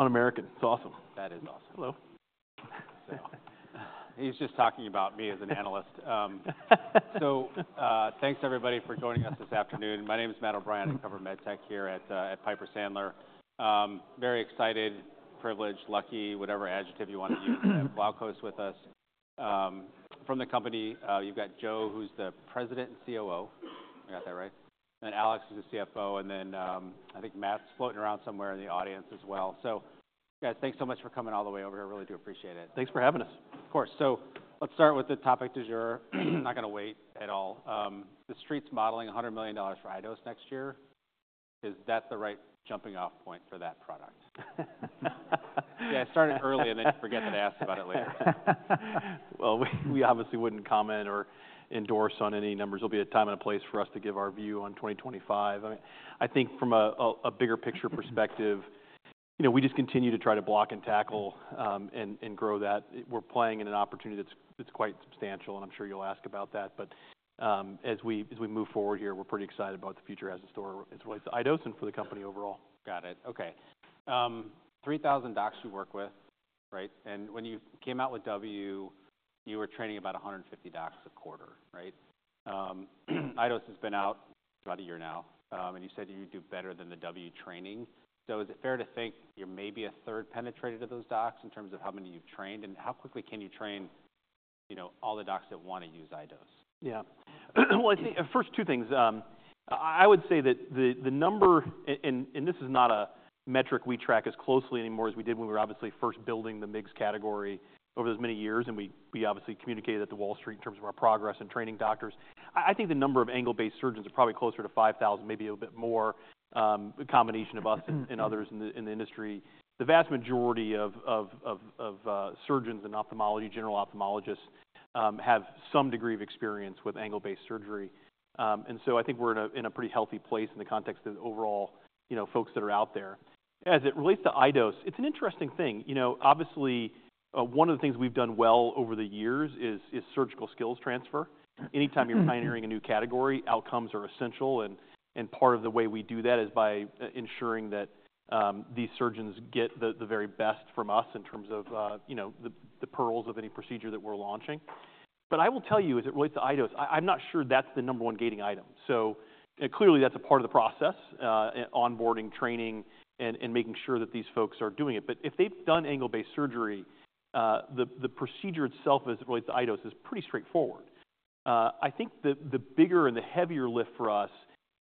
On American. It's awesome. That is awesome. Hello. He's just talking about me as an analyst. So, thanks to everybody for joining us this afternoon. My name's Matt O'Brien. I cover med tech here at Piper Sandler. Very excited, privileged, lucky, whatever adjective you want to use. We have Glaukos with us. From the company, you've got Joe, who's the President and COO. I got that right? And Alex is the CFO. And then, I think Matt's floating around somewhere in the audience as well. So, guys, thanks so much for coming all the way over here. I really do appreciate it. Thanks for having us. Of course. So let's start with the topic du jour. I'm not going to wait at all. The Street's modeling $100 million for iDose next year. Is that the right jumping-off point for that product? Yeah, I started early and then forget that I asked about it later. We obviously wouldn't comment or endorse on any numbers. There'll be a time and a place for us to give our view on 2025. I mean, I think from a bigger picture perspective, you know, we just continue to try to block and tackle, and grow that. We're playing in an opportunity that's quite substantial. And I'm sure you'll ask about that. But, as we move forward here, we're pretty excited about the future as it relates to iDose and for the company overall. Got it. Okay. 3,000 docs you work with, right? And when you came out with W, you were training about 150 docs a quarter, right? iDose has been out about a year now, and you said you do better than the W training. So is it fair to think you're maybe a third penetration to those docs in terms of how many you've trained? And how quickly can you train, you know, all the docs that want to use iDose? Yeah. Well, I think first two things. I would say that the number, and this is not a metric we track as closely anymore as we did when we were obviously first building the MIGS category over those many years. And we obviously communicated at the Wall Street in terms of our progress in training doctors. I think the number of angle-based surgeons is probably closer to 5,000, maybe a little bit more, a combination of us and others in the industry. The vast majority of surgeons and ophthalmology, general ophthalmologists, have some degree of experience with angle-based surgery. And so I think we're in a pretty healthy place in the context of overall, you know, folks that are out there. As it relates to iDose, it's an interesting thing. You know, obviously, one of the things we've done well over the years is surgical skills transfer. Anytime you're pioneering a new category, outcomes are essential. And part of the way we do that is by ensuring that these surgeons get the very best from us in terms of, you know, the pearls of any procedure that we're launching. But I will tell you, as it relates to iDose, I'm not sure that's the number one gating item. So clearly, that's a part of the process, onboarding, training, and making sure that these folks are doing it. But if they've done angle-based surgery, the procedure itself, as it relates to iDose, is pretty straightforward. I think the bigger and the heavier lift for us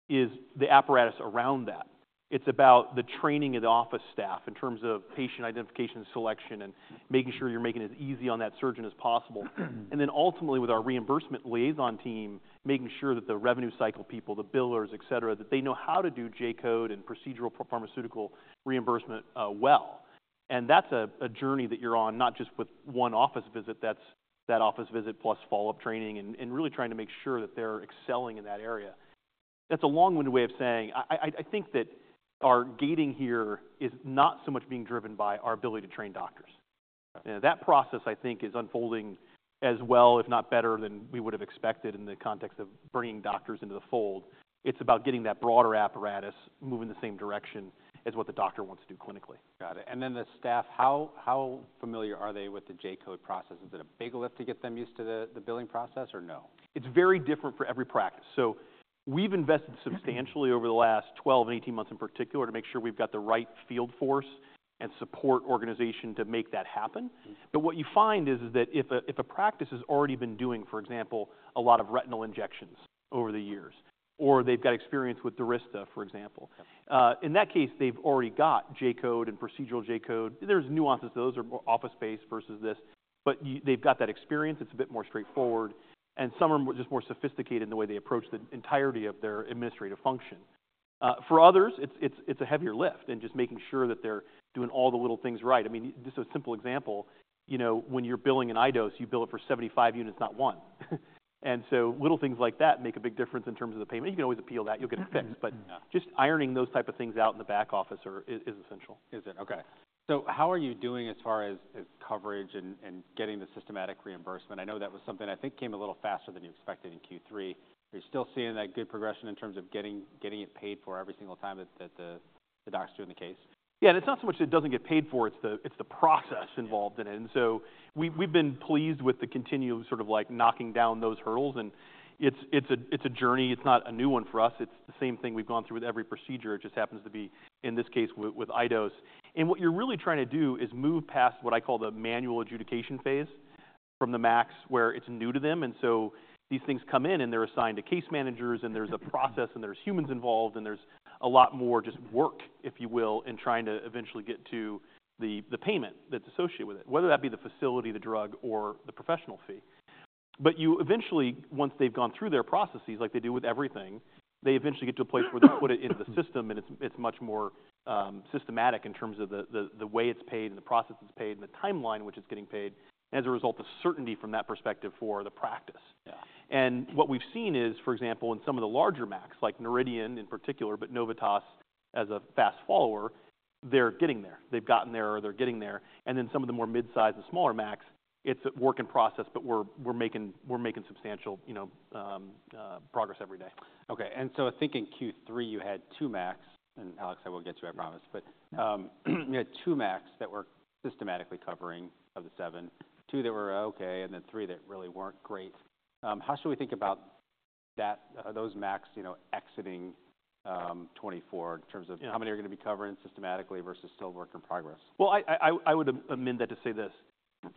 is the apparatus around that. It's about the training of the office staff in terms of patient identification, selection and making sure you're making it as easy on that surgeon as possible. Ultimately, with our reimbursement liaison team, making sure that the revenue cycle people, the billers, etc., that they know how to do J-code and procedural pharmaceutical reimbursement well. That's a journey that you're on, not just with one office visit. That's that office visit plus follow-up training and really trying to make sure that they're excelling in that area. That's a long-winded way of saying I think that our gating here is not so much being driven by our ability to train doctors. That process, I think, is unfolding as well, if not better, than we would have expected in the context of bringing doctors into the fold. It's about getting that broader apparatus moving in the same direction as what the doctor wants to do clinically. Got it. And then the staff, how familiar are they with the J-code process? Is it a big lift to get them used to the billing process or no? It's very different for every practice. So we've invested substantially over the last 12 and 18 months in particular to make sure we've got the right field force and support organization to make that happen. But what you find is that if a practice has already been doing, for example, a lot of retinal injections over the years, or they've got experience with Durysta, for example, in that case, they've already got J-code and procedural J-code. There's nuances to those or office-based versus this. But they've got that experience. It's a bit more straightforward. And some are just more sophisticated in the way they approach the entirety of their administrative function. For others, it's a heavier lift in just making sure that they're doing all the little things right. I mean, just a simple example, you know, when you're billing an iDose, you bill it for 75 units, not one. And so little things like that make a big difference in terms of the payment. You can always appeal that. You'll get it fixed. But just ironing those types of things out in the back office is essential. Is it? Okay. So how are you doing as far as coverage and getting the systematic reimbursement? I know that was something I think came a little faster than you expected in Q3. Are you still seeing that good progression in terms of getting it paid for every single time that the docs do in the case? Yeah. And it's not so much that it doesn't get paid for. It's the process involved in it. And so we've been pleased with the continuum of sort of like knocking down those hurdles. And it's a journey. It's not a new one for us. It's the same thing we've gone through with every procedure. It just happens to be, in this case, with iDose. And what you're really trying to do is move past what I call the manual adjudication phase from the MACs where it's new to them. And so these things come in and they're assigned to case managers and there's a process and there's humans involved and there's a lot more just work, if you will, in trying to eventually get to the payment that's associated with it, whether that be the facility, the drug, or the professional fee. But you eventually, once they've gone through their processes like they do with everything, they eventually get to a place where they put it into the system and it's much more systematic in terms of the way it's paid and the process it's paid and the timeline in which it's getting paid, as a result of certainty from that perspective for the practice. And what we've seen is, for example, in some of the larger MACs, like Noridian in particular, but Novitas as a fast follower, they're getting there. They've gotten there. They're getting there. And then some of the more mid-size and smaller MACs, it's a work in progress, but we're making substantial, you know, progress every day. Okay. And so I think in Q3 you had two MACs, and Alex, I will get to, I promise, but you had two MACs that were systematically covering of the seven, two that were okay, and then three that really weren't great. How should we think about those MACs, you know, exiting 2024 in terms of how many are going to be covering systematically versus still work in progress? I would amend that to say this.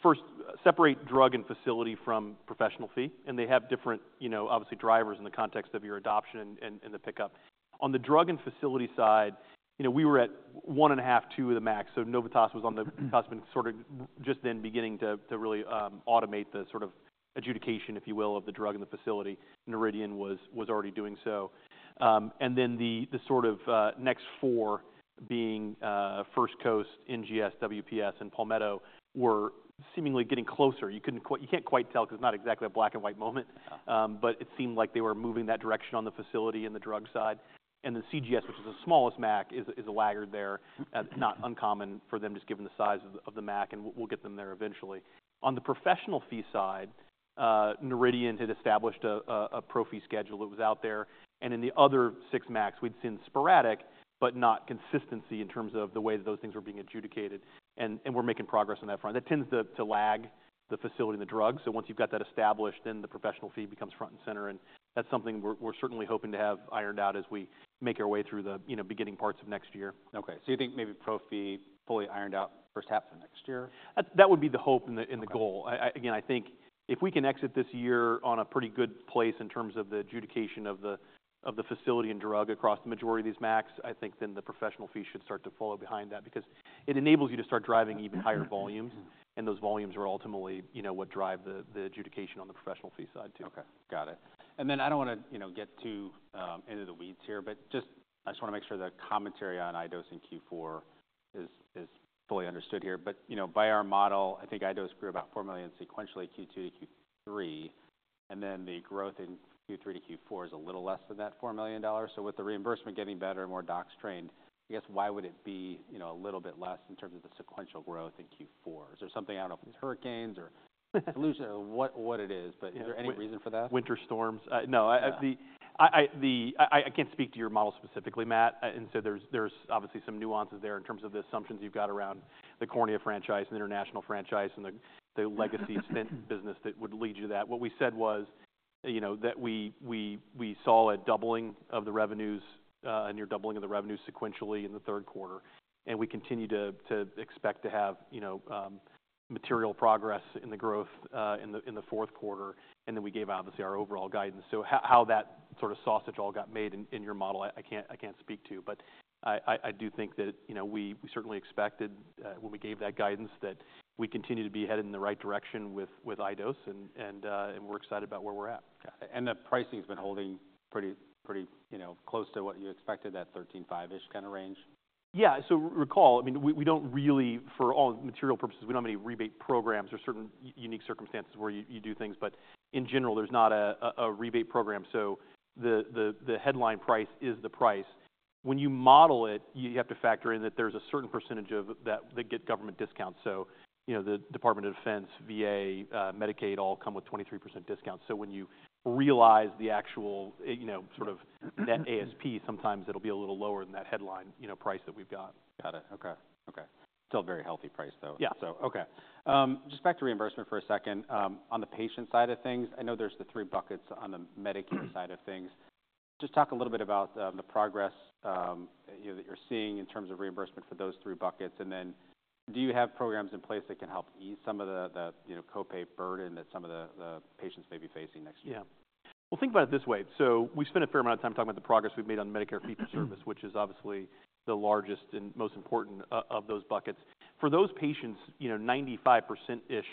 First, separate drug and facility from professional fee. And they have different, you know, obviously drivers in the context of your adoption and the pickup. On the drug and facility side, you know, we were at one and a half, two of the MACs. So Novitas was on the, has been sort of just then beginning to really automate the sort of adjudication, if you will, of the drug and the facility. Noridian was already doing so. And then the sort of next four being First Coast, NGS, WPS, and Palmetto were seemingly getting closer. You can't quite tell because it's not exactly a black and white moment. But it seemed like they were moving that direction on the facility and the drug side. And the CGS, which is the smallest MAC, is a laggard there. Not uncommon for them just given the size of the MACs. And we'll get them there eventually. On the professional fee side, Noridian had established a pro fee schedule that was out there. And in the other six MACs, we'd seen sporadic, but not consistent in terms of the way that those things were being adjudicated. And we're making progress on that front. That tends to lag the facility and the drug. So once you've got that established, then the professional fee becomes front and center. And that's something we're certainly hoping to have ironed out as we make our way through the beginning parts of next year. Okay. So you think maybe pro fee fully ironed out first half of next year? That would be the hope and the goal. Again, I think if we can exit this year on a pretty good place in terms of the adjudication of the facility and drug across the majority of these MACs, I think then the professional fee should start to follow behind that because it enables you to start driving even higher volumes. And those volumes are ultimately, you know, what drive the adjudication on the professional fee side too. Okay. Got it. And then I don't want to, you know, get too into the weeds here, but I just want to make sure the commentary on iDose in Q4 is fully understood here. But, you know, by our model, I think iDose grew about $4 million sequentially Q2-Q3. And then the growth in Q3-Q4 is a little less than that $4 million. So with the reimbursement getting better and more docs trained, I guess why would it be, you know, a little bit less in terms of the sequential growth in Q4? Is there something, I don't know, if it's hurricanes or pollution or what it is, but is there any reason for that? Winter storms. No, I can't speak to your model specifically, Matt. And so there's obviously some nuances there in terms of the assumptions you've got around the Cornea franchise and the International franchise and the legacy stent business that would lead you to that. What we said was, you know, that we saw a doubling of the revenues, a near doubling of the revenues sequentially in the third quarter. And we continue to expect to have, you know, material progress in the growth in the fourth quarter. And then we gave obviously our overall guidance. So how that sort of sausage all got made in your model, I can't speak to. But I do think that, you know, we certainly expected when we gave that guidance that we continue to be headed in the right direction with iDose. And we're excited about where we're at. And the pricing has been holding pretty, you know, close to what you expected, that 13.5-ish kind of range? Yeah. So recall, I mean, we don't really, for all material purposes, we don't have any rebate programs or certain unique circumstances where you do things. But in general, there's not a rebate program. So the headline price is the price. When you model it, you have to factor in that there's a certain percentage of that get government discounts. So, you know, the Department of Defense, VA, Medicaid all come with 23% discounts. So when you realize the actual, you know, sort of net ASP, sometimes it'll be a little lower than that headline, you know, price that we've got. Got it. Okay. Okay. Still a very healthy price though. Yeah. Okay. Just back to reimbursement for a second. On the patient side of things, I know there's the three buckets on the Medicare side of things. Just talk a little bit about the progress that you're seeing in terms of reimbursement for those three buckets, and then do you have programs in place that can help ease some of the copay burden that some of the patients may be facing next year? Yeah. Well, think about it this way. So we spent a fair amount of time talking about the progress we've made on Medicare fee-for-service, which is obviously the largest and most important of those buckets. For those patients, you know, 95%-ish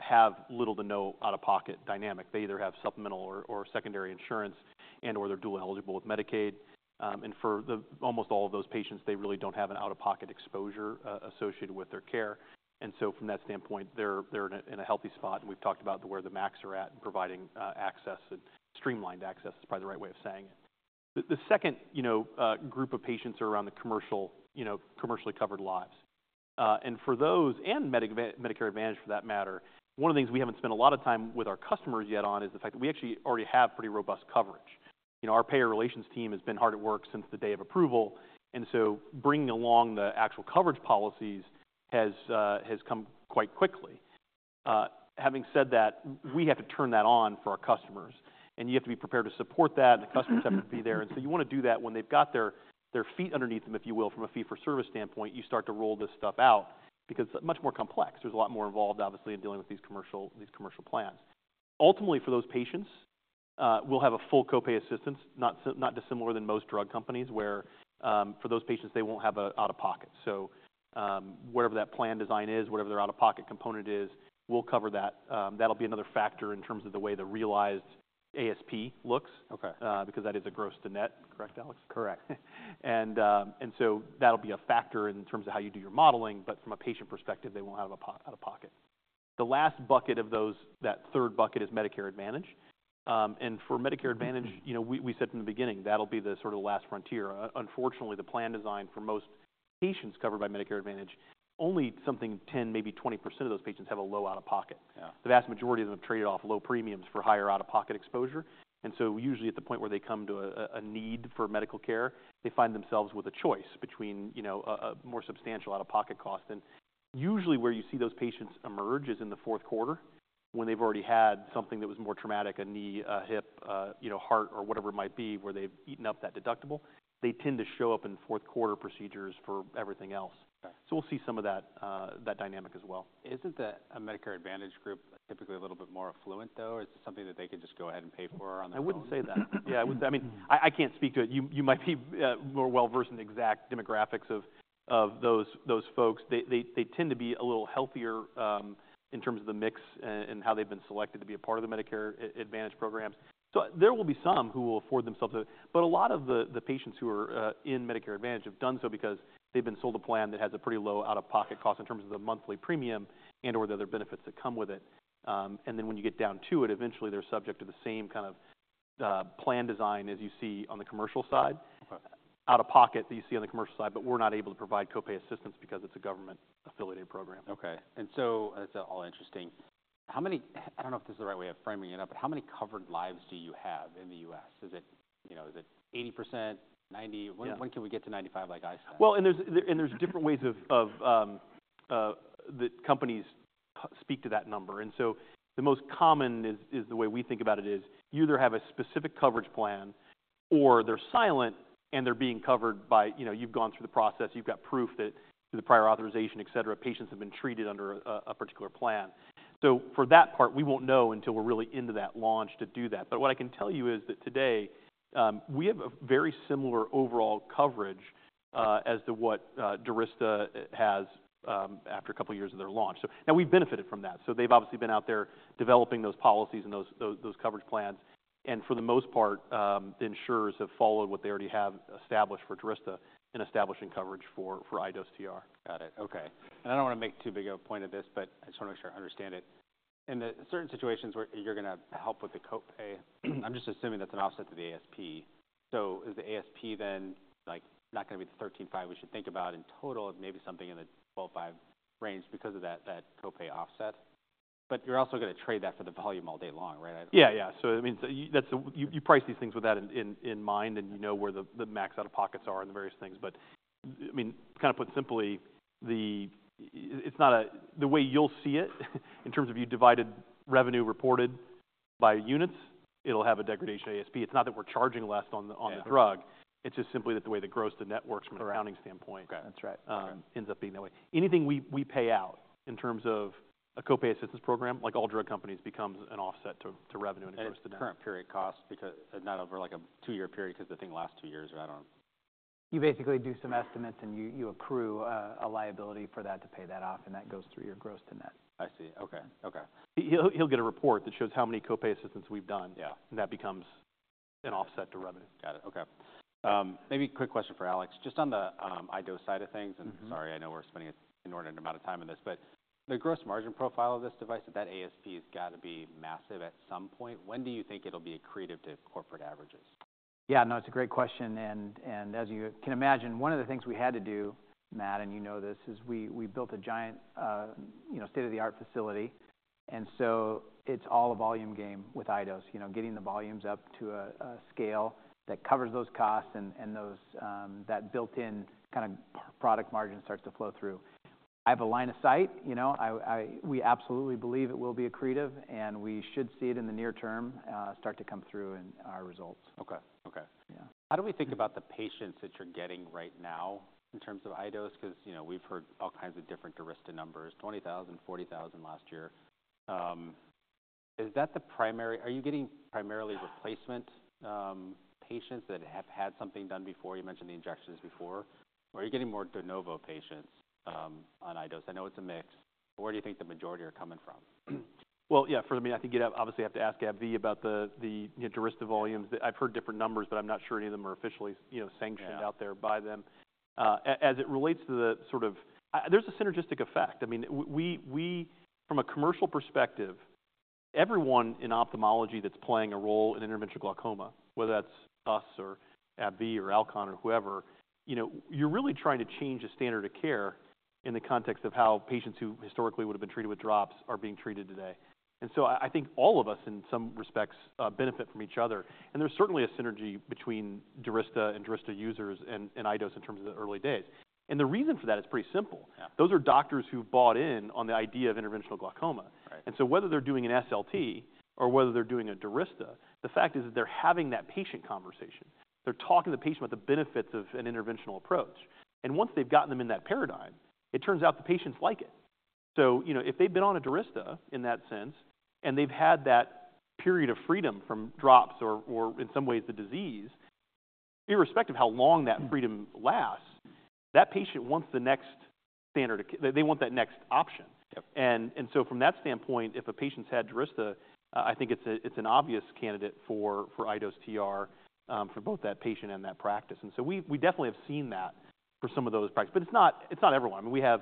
have little to no out-of-pocket dynamic. They either have supplemental or secondary insurance and/or they're dual eligible with Medicaid, and for almost all of those patients, they really don't have an out-of-pocket exposure associated with their care, and so from that standpoint, they're in a healthy spot, and we've talked about where the MACs are at and providing access and streamlined access is probably the right way of saying it. The second, you know, group of patients are around the commercial, you know, commercially covered lives. And for those and Medicare Advantage for that matter, one of the things we haven't spent a lot of time with our customers yet on is the fact that we actually already have pretty robust coverage. You know, our payer relations team has been hard at work since the day of approval. And so bringing along the actual coverage policies has come quite quickly. Having said that, we have to turn that on for our customers. And you have to be prepared to support that. And the customers have to be there. And so you want to do that when they've got their feet underneath them, if you will, from a fee-for-service standpoint, you start to roll this stuff out because it's much more complex. There's a lot more involved, obviously, in dealing with these commercial plans. Ultimately, for those patients, we'll have a full copay assistance, not dissimilar than most drug companies where for those patients, they won't have an out-of-pocket. So wherever that plan design is, whatever their out-of-pocket component is, we'll cover that. That'll be another factor in terms of the way the realized ASP looks because that is a gross to net. Correct, Alex? Correct. And so that'll be a factor in terms of how you do your modeling. But from a patient perspective, they won't have an out-of-pocket. The last bucket of those, that third bucket is Medicare Advantage. And for Medicare Advantage, you know, we said from the beginning that'll be the sort of last frontier. Unfortunately, the plan design for most patients covered by Medicare Advantage, only something 10, maybe 20% of those patients have a low out-of-pocket. The vast majority of them have traded off low premiums for higher out-of-pocket exposure. And so usually at the point where they come to a need for medical care, they find themselves with a choice between, you know, a more substantial out-of-pocket cost. Usually where you see those patients emerge is in the fourth quarter when they've already had something that was more traumatic, a knee, a hip, you know, heart or whatever it might be where they've eaten up that deductible. They tend to show up in fourth quarter procedures for everything else. We'll see some of that dynamic as well. Isn't the Medicare Advantage group typically a little bit more affluent though? Or is it something that they could just go ahead and pay for on their own? I wouldn't say that. Yeah. I mean, I can't speak to it. You might be more well versed in the exact demographics of those folks. They tend to be a little healthier in terms of the mix and how they've been selected to be a part of the Medicare Advantage programs. So there will be some who will afford themselves to it. But a lot of the patients who are in Medicare Advantage have done so because they've been sold a plan that has a pretty low out-of-pocket cost in terms of the monthly premium and/or the other benefits that come with it. And then when you get down to it, eventually they're subject to the same kind of plan design as you see on the commercial side, out-of-pocket that you see on the commercial side, but we're not able to provide copay assistance because it's a government-affiliated program. Okay. And so that's all interesting. How many, I don't know if this is the right way of framing it up, but how many covered lives do you have in the U.S.? Is it, you know, is it 80%, 90%? When can we get to 95% like I said? Well, and there's different ways that companies speak to that number. And so the most common is the way we think about it is you either have a specific coverage plan or they're silent and they're being covered by, you know, you've gone through the process, you've got proof that through the prior authorization, et cetera, patients have been treated under a particular plan. So for that part, we won't know until we're really into that launch to do that. But what I can tell you is that today we have a very similar overall coverage as to what Durysta has after a couple of years of their launch. So now we've benefited from that. So they've obviously been out there developing those policies and those coverage plans. And for the most part, the insurers have followed what they already have established for Durysta in establishing coverage for iDose TR. Got it. Okay. And I don't want to make too big of a point of this, but I just want to make sure I understand it. In certain situations where you're going to help with the copay, I'm just assuming that's an offset to the ASP. So is the ASP then like not going to be the 13.5 we should think about in total of maybe something in the 12.5 range because of that copay offset? But you're also going to trade that for the volume all day long, right? Yeah. Yeah. So I mean, you price these things with that in mind and you know where the max out-of-pockets are and the various things. But I mean, kind of put simply, the way you'll see it in terms of you divide revenue reported by units, it'll have a degradation ASP. It's not that we're charging less on the drug. It's just simply that the way the gross to net works from an accounting standpoint ends up being that way. Anything we pay out in terms of a copay assistance program, like all drug companies, becomes an offset to revenue and gross to net. Current period cost, not over like a two-year period because the thing lasts two years, right? You basically do some estimates and you accrue a liability for that to pay that off and that goes through your gross to net. I see. Okay. Okay. He'll get a report that shows how many copay assistance we've done, and that becomes an offset to revenue. Got it. Okay. Maybe a quick question for Alex. Just on the iDose side of things, and sorry, I know we're spending an inordinate amount of time on this, but the gross margin profile of this device, that ASP has got to be massive at some point. When do you think it'll be accretive to corporate averages? Yeah. No, it's a great question, and as you can imagine, one of the things we had to do, Matt, and you know this, is we built a giant, you know, state-of-the-art facility, and so it's all a volume game with iDose, you know, getting the volumes up to a scale that covers those costs and that built-in kind of product margin starts to flow through. I have a line of sight, you know, we absolutely believe it will be accretive and we should see it in the near term start to come through in our results. Okay. Okay. How do we think about the patients that you're getting right now in terms of iDose? Because, you know, we've heard all kinds of different Durysta numbers, 20,000, 40,000 last year. Is that the primary? Are you getting primarily replacement patients that have had something done before? You mentioned the injections before. Are you getting more de novo patients on iDose? I know it's a mix. Where do you think the majority are coming from? Yeah, for me, I think you obviously have to ask AbbVie about the Durysta volumes. I've heard different numbers, but I'm not sure any of them are officially, you know, sanctioned out there by them. As it relates to the sort of, there's a synergistic effect. I mean, from a commercial perspective, everyone in ophthalmology that's playing a role in interventional glaucoma, whether that's us or AbbVie or Alcon or whoever, you know, you're really trying to change the standard of care in the context of how patients who historically would have been treated with drops are being treated today. And so I think all of us in some respects benefit from each other. And there's certainly a synergy between Durysta and Durysta users and iDose in terms of the early days. And the reason for that is pretty simple. Those are doctors who bought in on the idea of interventional glaucoma, and so whether they're doing an SLT or whether they're doing a Durysta, the fact is that they're having that patient conversation. They're talking to the patient about the benefits of an interventional approach, and once they've gotten them in that paradigm, it turns out the patients like it, so, you know, if they've been on a Durysta in that sense and they've had that period of freedom from drops or in some ways the disease, irrespective of how long that freedom lasts, that patient wants the next standard of care. They want that next option, and so from that standpoint, if a patient's had Durysta, I think it's an obvious candidate for iDose TR for both that patient and that practice, and so we definitely have seen that for some of those practices, but it's not everyone. I mean, we have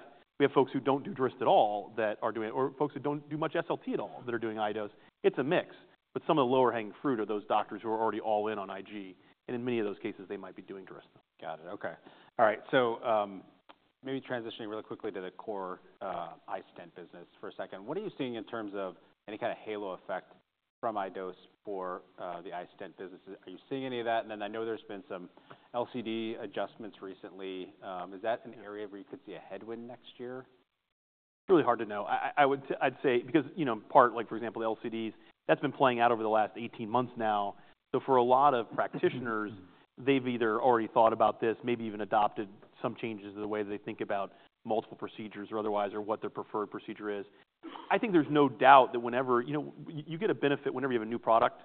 folks who don't do Durysta at all that are doing it, or folks who don't do much SLT at all that are doing iDose. It's a mix. But some of the low-hanging fruit are those doctors who are already all in on IG. And in many of those cases, they might be doing Durysta. Got it. Okay. All right. So maybe transitioning really quickly to the core eye stent business for a second. What are you seeing in terms of any kind of halo effect from iDose for the eye stent business? Are you seeing any of that? And then I know there's been some LCD adjustments recently. Is that an area where you could see a headwind next year? It's really hard to know. I'd say because, you know, part, like for example, the LCDs, that's been playing out over the last 18 months now. So for a lot of practitioners, they've either already thought about this, maybe even adopted some changes to the way they think about multiple procedures or otherwise or what their preferred procedure is. I think there's no doubt that whenever, you know, you get a benefit whenever you have a new product.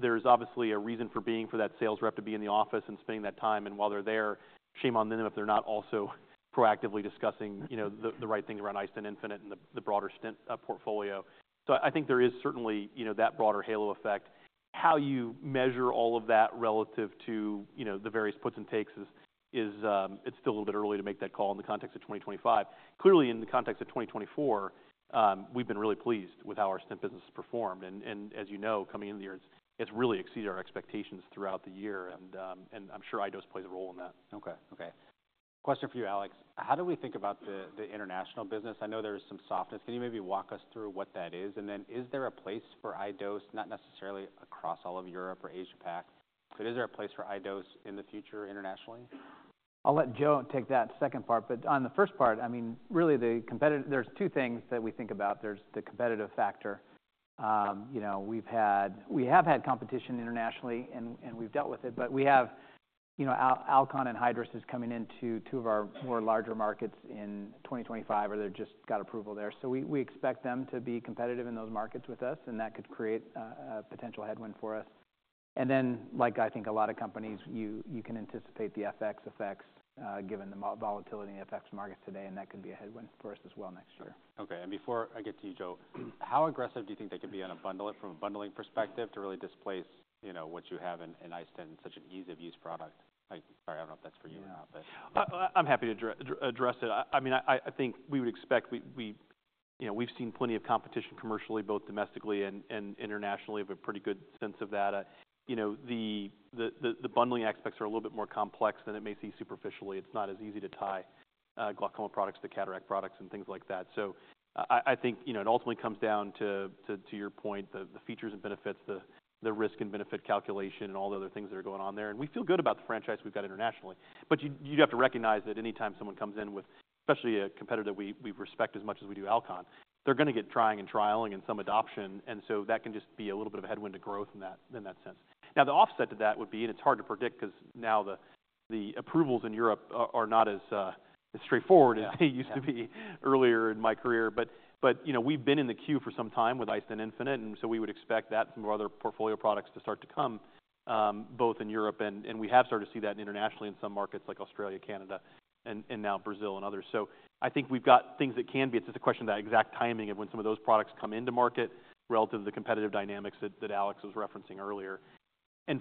There's obviously a reason for being for that sales rep to be in the office and spending that time. And while they're there, shame on them if they're not also proactively discussing, you know, the right things around iStent infinite and the broader stent portfolio. So I think there is certainly, you know, that broader halo effect. How you measure all of that relative to, you know, the various puts and takes is it's still a little bit early to make that call in the context of 2025. Clearly, in the context of 2024, we've been really pleased with how our stent business has performed, and as you know, coming into the year, it's really exceeded our expectations throughout the year, and I'm sure iDose plays a role in that. Okay. Okay. Question for you, Alex. How do we think about the international business? I know there's some softness. Can you maybe walk us through what that is? And then is there a place for iDose, not necessarily across all of Europe or Asia-Pac, but is there a place for iDose in the future internationally? I'll let Joe take that second part. But on the first part, I mean, really the competitive, there's two things that we think about. There's the competitive factor. You know, we've had, we have had competition internationally and we've dealt with it. But we have, you know, Alcon and Hydrus is coming into two of our more larger markets in 2025 or they've just got approval there. So we expect them to be competitive in those markets with us. And that could create a potential headwind for us. And then, like I think a lot of companies, you can anticipate the FX effects given the volatility in the FX markets today. And that could be a headwind for us as well next year. Okay, and before I get to you, Joe, how aggressive do you think they could be on bundling it from a bundling perspective to really displace, you know, what you have in iStent in such an ease of use product? Sorry, I don't know if that's for you or not, but. I'm happy to address it. I mean, I think we would expect, you know, we've seen plenty of competition commercially, both domestically and internationally, but pretty good sense of that. You know, the bundling aspects are a little bit more complex than it may seem superficially. It's not as easy to tie glaucoma products to cataract products and things like that. So I think, you know, it ultimately comes down to your point, the features and benefits, the risk and benefit calculation and all the other things that are going on there. And we feel good about the franchise we've got internationally. But you have to recognize that anytime someone comes in with, especially a competitor that we respect as much as we do Alcon, they're going to get trying and trialing and some adoption. And so that can just be a little bit of a headwind to growth in that sense. Now, the offset to that would be, and it's hard to predict because now the approvals in Europe are not as straightforward as they used to be earlier in my career. But, you know, we've been in the queue for some time with iStent infinite. And so we would expect that some of other portfolio products to start to come both in Europe. And we have started to see that internationally in some markets like Australia, Canada, and now Brazil and others. So I think we've got things that can be, it's just a question of that exact timing of when some of those products come into market relative to the competitive dynamics that Alex was referencing earlier.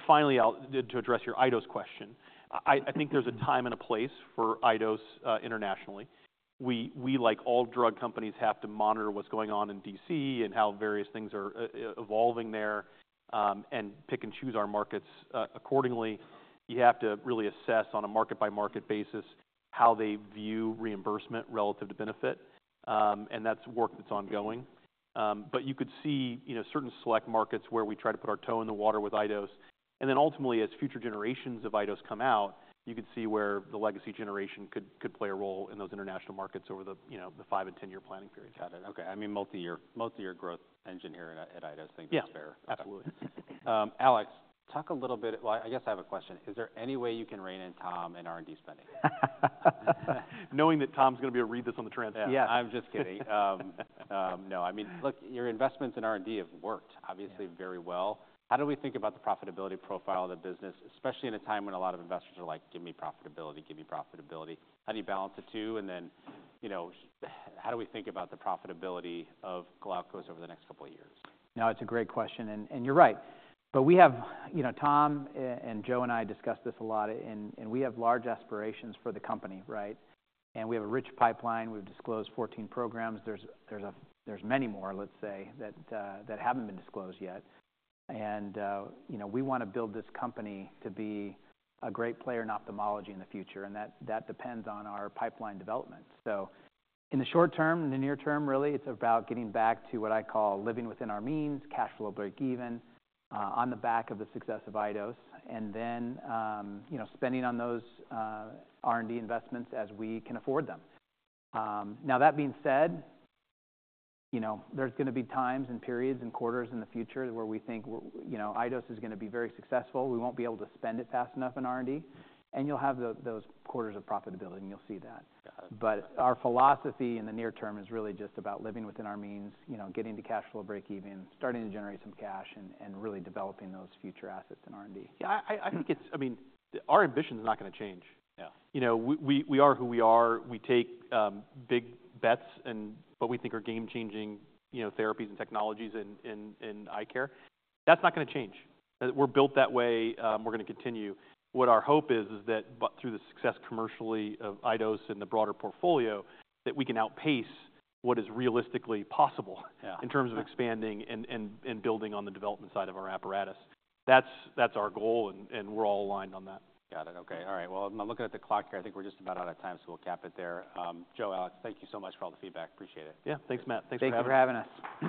Finally, to address your iDose question, I think there's a time and a place for iDose internationally. We, like all drug companies, have to monitor what's going on in DC and how various things are evolving there and pick and choose our markets accordingly. You have to really assess on a market-by-market basis how they view reimbursement relative to benefit. That's work that's ongoing. But you could see, you know, certain select markets where we try to put our toe in the water with iDose. Then ultimately, as future generations of iDose come out, you could see where the legacy generation could play a role in those international markets over the, you know, the five and ten-year planning period. Got it. Okay. I mean, multi-year growth engine here at iDose, things are fair. Yeah. Absolutely. Alex, talk a little bit, well, I guess I have a question. Is there any way you can rein in Tom in R&D spending? Knowing that Tom's going to be able to read this on the transcript. Yeah. I'm just kidding. No. I mean, look, your investments in R&D have worked obviously very well. How do we think about the profitability profile of the business, especially in a time when a lot of investors are like, "Give me profitability, give me profitability"? How do you balance the two? And then, you know, how do we think about the profitability of Glaukos over the next couple of years? Now, it's a great question, and you're right, but we have, you know, Tom and Joe and I discussed this a lot, and we have large aspirations for the company, right? And we have a rich pipeline. We've disclosed 14 programs. There's many more, let's say, that haven't been disclosed yet, and, you know, we want to build this company to be a great player in ophthalmology in the future, and that depends on our pipeline development, so in the short term, in the near term, really, it's about getting back to what I call living within our means, cash flow break even on the back of the success of iDose, and then, you know, spending on those R&D investments as we can afford them. Now, that being said, you know, there's going to be times and periods and quarters in the future where we think, you know, iDose is going to be very successful. We won't be able to spend it fast enough in R&D. And you'll have those quarters of profitability and you'll see that. But our philosophy in the near term is really just about living within our means, you know, getting to cash flow break even, starting to generate some cash and really developing those future assets in R&D. Yeah. I think it's, I mean, our ambition is not going to change. You know, we are who we are. We take big bets and what we think are game-changing, you know, therapies and technologies in eye care. That's not going to change. We're built that way. We're going to continue. What our hope is, is that through the success commercially of iDose and the broader portfolio, that we can outpace what is realistically possible in terms of expanding and building on the development side of our apparatus. That's our goal. And we're all aligned on that. Got it. Okay. All right. Well, I'm looking at the clock here. I think we're just about out of time. So we'll cap it there. Joe, Alex, thank you so much for all the feedback. Appreciate it. Yeah. Thanks, Matt. Thanks for having us. Thank you for having us.